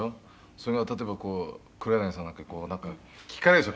「それが例えば黒柳さんなんかこうなんか聞かれるでしょ？」